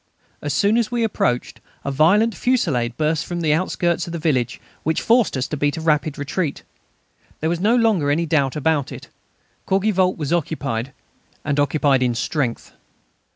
As soon as we appeared a violent fusillade burst from the outskirts of the village, which forced us to beat a rapid retreat. There was no longer any doubt about it; Courgivault was occupied, and occupied in strength.